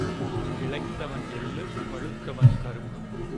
இளைத்தவன் எள்ளு வலுத்தவன் கரும்பு.